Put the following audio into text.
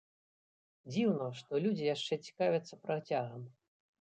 Дзіўна, што людзі яшчэ цікавяцца працягам.